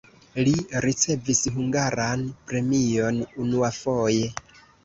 Li ricevis hungaran premion unuafoje.